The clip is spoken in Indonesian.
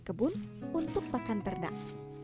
kebun untuk makan perdag